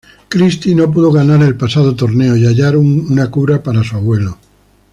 Christie no pudo ganar el pasado torneo y hallar una cura para su abuelo.